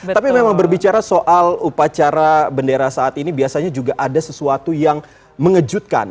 tapi memang berbicara soal upacara bendera saat ini biasanya juga ada sesuatu yang mengejutkan